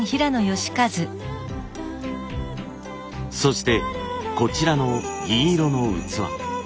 そしてこちらの銀色の器。